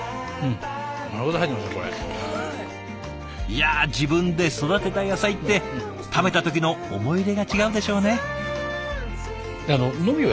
いや自分で育てた野菜って食べた時の思い入れが違うんでしょうね。